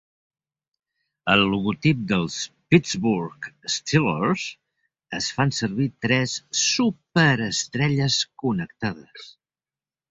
Al logotip dels Pittsburgh Steelers es fan servir tres superestrelles connectades.